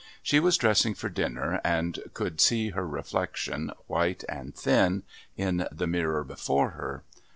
She was dressing for dinner and could see her reflection, white and thin, in the mirror before her.